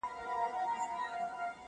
o خر په وهلو نه آس کېږي٫